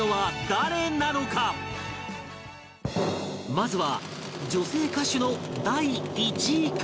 まずは女性歌手の第１位から